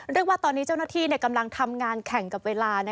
เรียกว่าตอนนี้เจ้าหน้าที่กำลังทำงานแข่งกับเวลา